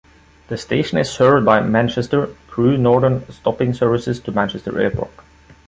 The station is served by Manchester - Crewe Northern stopping services to Manchester Airport.